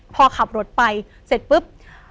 พอขับรถไปเสร็จปุ๊บ